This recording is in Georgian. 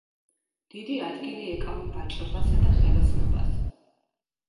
დიდი ადგილი ეკავა ვაჭრობასა და ხელოსნობას.